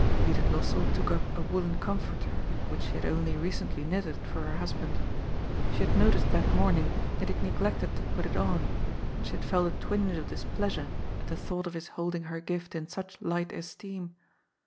Judith Lossell took up a woollen comforter, which she had only recently knitted for her husband. She had noticed that morning that he had neglected to put it on, and she had felt a twinge of displeasure at the thought of his holding her gift in such light esteem.